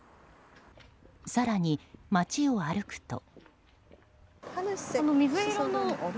更に、町を歩くと。